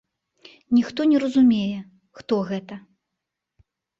Ніхто не разумее, хто гэта.